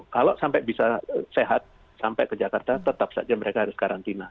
kalau sampai bisa sehat sampai ke jakarta tetap saja mereka harus karantina